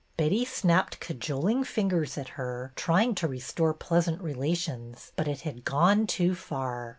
Betty snapped cajoling fingers at her, trying to restore pleasant relations, but it had gone too far.